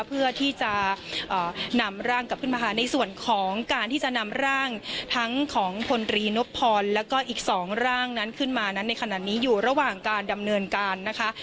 เพื่อที่จะนำร่างกลับขึ้นมาในส่วนของการที่จะนำร่างทั้งของพลตรีนพพรแล้วก็อีก๒ร่างนั้นขึ้นมานั้นในขณะนี้อยู่ระหว่างการดำเนินการนะคะ